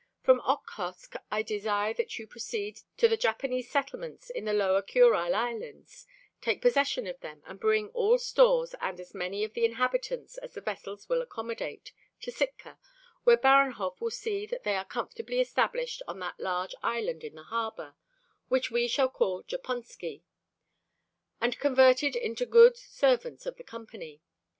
From Okhotsk I desire that you proceed to the Japanese settlements in the lower Kurile Islands, take possession of them and bring all stores and as many of the inhabitants as the vessels will accommodate, to Sitka, where Baranhov will see that they are comfortably established on that large island in the harbor which we shall call Japonsky and converted into good servants of the Company.